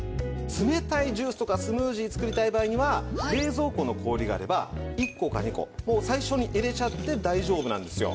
冷たいジュースとかスムージー作りたい場合には冷蔵庫の氷があれば１個か２個もう最初に入れちゃって大丈夫なんですよ。